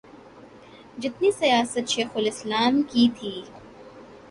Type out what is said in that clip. جتنی سیاست شیخ الاسلام کی تھی۔